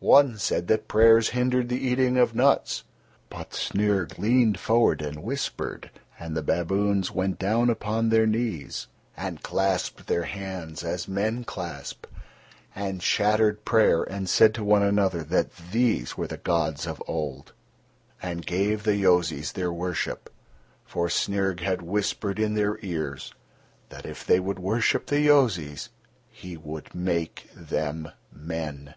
One said that prayers hindered the eating of nuts. But Snyrg leaned forward and whispered, and the baboons went down upon their knees and clasped their hands as men clasp, and chattered prayer and said to one another that these were the gods of old, and gave the Yozis their worship—for Snyrg had whispered in their ears that, if they would worship the Yozis, he would make them men.